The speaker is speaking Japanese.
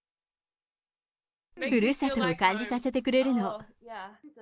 ふるさとを感じさせてくれるの。